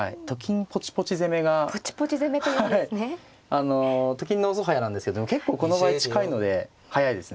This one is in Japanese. あの「と金の遅早」なんですけども結構この場合近いので速いですね。